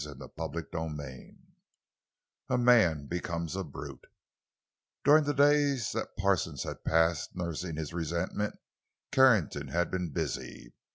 CHAPTER XVI—A MAN BECOMES A BRUTE During the days that Parsons had passed nursing his resentment, Carrington had been busy.